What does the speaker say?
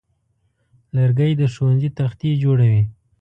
لرګی د ښوونځي تختې جوړوي.